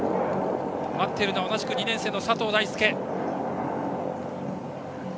待っているのは同じく２年生の佐藤大介。